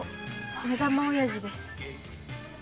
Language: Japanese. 目玉おやじです